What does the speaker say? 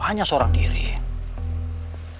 hanya soal suatu hal